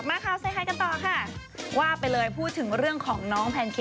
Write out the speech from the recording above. มาเราว่าไปเลยพูดถึงเรื่องของน้องแพนเค้ก